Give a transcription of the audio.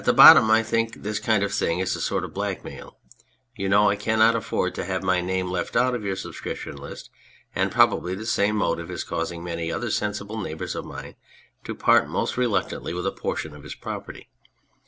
At bottom I think this kind of thing is a sort of blackmail ; you know I cannot afford to have my name left out of your subscription list, and probably the same motive is causing many another sensible neighbour of mine to part most reluctantly with a portion of his property.